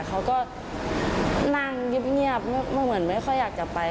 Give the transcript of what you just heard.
เขาก็นั่งเงียบเหมือนไม่ค่อยอยากจะไป